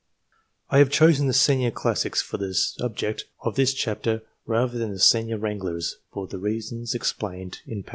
I have chosen the Senior Classics for the subject of this chapter rather than the Senior Wranglers, for the reasons explained in p.